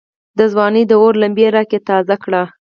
دځوانۍ داور لمبي را کې تازه کړه